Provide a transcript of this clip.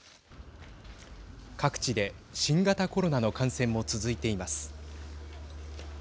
各地で新型コロナの感染も続いています。